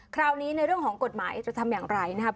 คราวนี้ในเรื่องของกฎหมายจะทำอย่างไรนะครับ